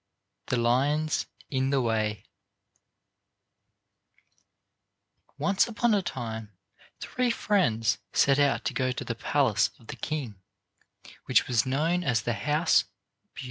THE LIONS IN THE WAY Once upon a time three friends set out to go to the palace of the king, which was known as the House Beautiful.